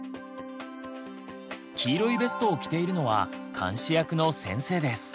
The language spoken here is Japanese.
黄色いベストを着ているのは監視役の先生です。